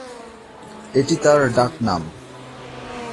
এটি তার ডাক নাম।